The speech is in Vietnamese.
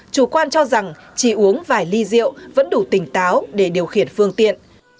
chủ quan cho rằng chỉ uống vài ly rượu vẫn đủ tỉnh táo để điều khiển phương tiện